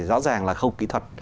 rõ ràng là khâu kỹ thuật